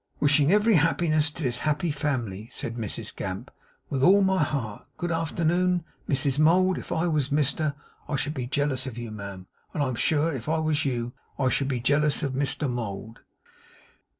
'Wishing ev'ry happiness to this happy family,' said Mrs Gamp 'with all my heart. Good arternoon, Mrs Mould! If I was Mr would I should be jealous of you, ma'am; and I'm sure, if I was you, I should be jealous of Mr Mould.